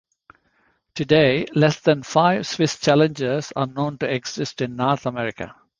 Today, less than five Swiss Challengers are known to exist in North America.